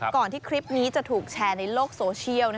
ที่คลิปนี้จะถูกแชร์ในโลกโซเชียล